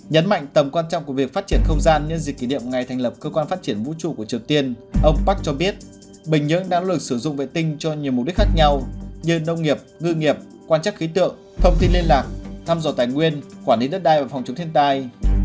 nhấn mạnh tầm quan trọng của việc phát triển không gian nhân dịp kỷ niệm ngày thành lập cơ quan phát triển vũ trụ của triều tiên ông park cho biết bình nhưỡng đã luật sử dụng vệ tinh cho nhiều mục đích khác nhau như nông nghiệp ngư nghiệp quan trắc khí tượng thông tin liên lạc thăm dò tài nguyên quản lý đất đai và phòng chống thiên tai